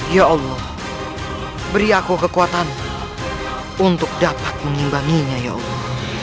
ya allah beri aku kekuatan untuk dapat mengimbanginya ya allah